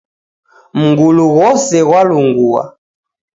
Mngulu ghose ghwalungua.